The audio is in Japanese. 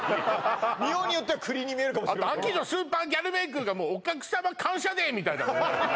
見ようによっては栗に見えるかも「秋のスーパーギャルメイク！」が「お客様感謝デー」みたいだもんね